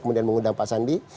kemudian mengundang pak sandi